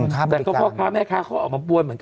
แต่ก็พ่อค้าแม่ค้าเขาออกมาปวนเหมือนกัน